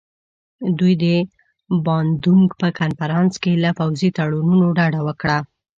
دوی د باندونک په کنفرانس کې له پوځي تړونونو ډډه وکړه.